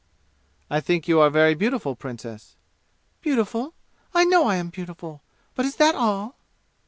"I think you are very beautiful, Princess!" "Beautiful? I know I am beautiful. But is that all?"